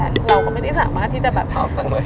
เราก็ไม่ได้สามารถที่จะแบบชอบจังเลย